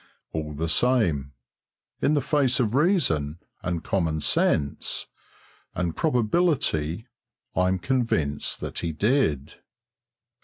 All the same, in the face of reason, and common sense, and probability, I'm convinced that he did.